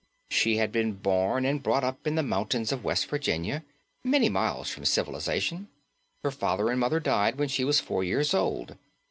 She had been born and brought up in the mountains of West Virginia, many miles from civilization. Her father and mother died when she was four years old.